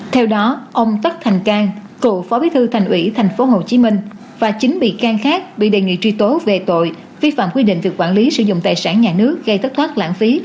theo đó ông tất thành cang cựu phó bí thư thành ủy tp hcm và chín bị can khác bị đề nghị truy tố về tội vi phạm quy định về quản lý sử dụng tài sản nhà nước gây thất thoát lãng phí